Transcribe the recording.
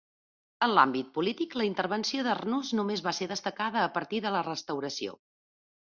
En l'àmbit polític, la intervenció d'Arnús només va ser destacada a partir de la Restauració.